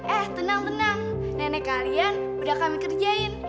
eh tenang tenang nenek kalian udah kami kerjain